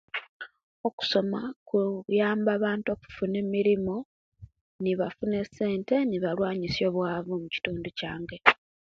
Okusoma kuyamba abantu okufuna emirimo nefuna essente nebalwanisya obwavu omukindu kyange